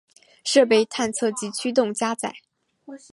设备探测及驱动加载